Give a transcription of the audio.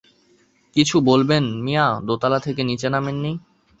কিছু বলবেন মিয়া দোতলা থেকে নিচে নামেন নি।